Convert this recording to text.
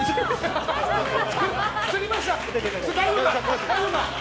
つりました！